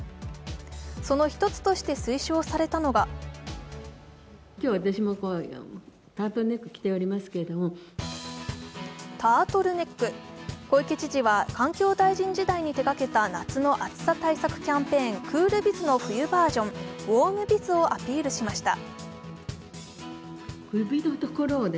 その１つとして推奨されたのがタートルネック、小池知事は環境大臣時代に手がけた夏の暑さ対策キャンペーンクールビズの冬バージョン、ウォームビズをアピールしました。